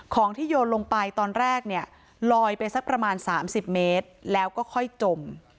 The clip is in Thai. ของที่โยนลงไปตอนแรกเนี่ยลอยไปสักประมาณ๓๐เมตรแล้วก็ค่อยจม